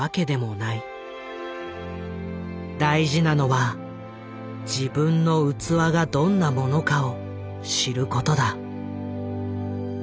「大事なのは自分の器がどんなものかを知ることだ」。